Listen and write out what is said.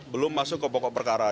belum masuk ke pokok perkara